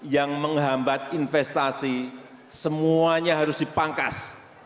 yang menghambat investasi semuanya harus dipangkas